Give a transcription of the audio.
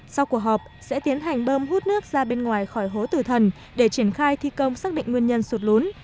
sau cuộc họp sẽ tiến hành bơm hút nước ra bên ngoài khỏi hố tử thần để triển khai thi công xác định nguyên nhân sụt lún